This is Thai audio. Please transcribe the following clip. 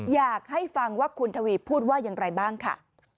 อยากให้ฟังว่าคุณทวีพูดว่าอย่างไรบ้างค่ะ